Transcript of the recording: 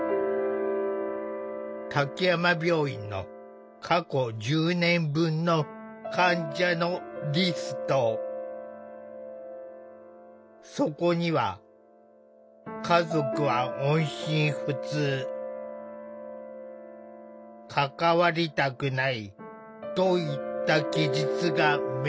滝山病院の過去１０年分のそこには「家族は音信不通」「関わりたくない」といった記述が目立つ。